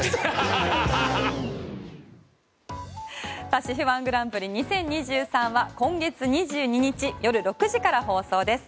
「ＣＨＥＦ−１グランプリ２０２３」は今月２２日夜６時から放送です。